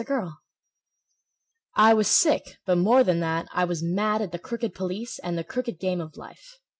Rosie Roberts I was sick, but more than that, I was mad At the crooked police, and the crooked game of life.